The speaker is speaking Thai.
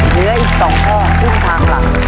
เหลืออีก๒ข้อครึ่งทางหลัง